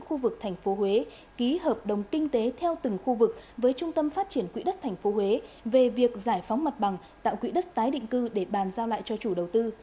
khu vực tp huế ký hợp đồng kinh tế theo từng khu vực với trung tâm phát triển quỹ đất tp huế về việc giải phóng mặt bằng tạo quỹ đất tái định cư để bàn giao lại cho chủ đầu tư